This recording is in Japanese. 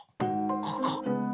ここ！